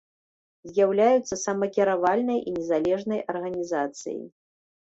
З'яўляецца самакіравальнай і незалежнай арганізацыяй.